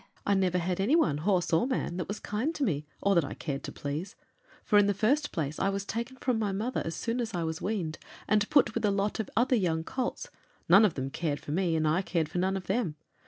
"I never had any one, horse or man, that was kind to me, or that I cared to please, for in the first place I was taken from my mother as soon as I was weaned, and put with a lot of other young colts; none of them cared for me, and I cared for none of them.